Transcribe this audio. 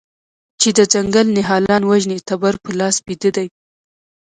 چې د ځنګل نهالان وژني تبر په لاس بیده دی